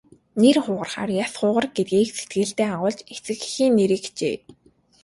Нэр хугарахаар яс хугар гэдгийг сэтгэлдээ агуулж эцэг эхийн нэрийг хичээе.